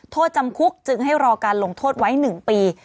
โทษจำคุกจึงให้รอการลงโทษไว้๑ปี